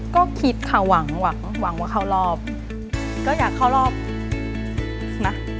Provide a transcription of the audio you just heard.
ก็คิดค่ะหวังหวังว่าเข้ารอบก็อยากเข้ารอบนะ